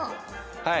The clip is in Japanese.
はい。